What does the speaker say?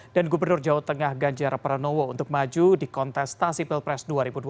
dan gubernur jawa tengah ganjar pranowo untuk maju di kontestasi pilpres dua ribu dua puluh empat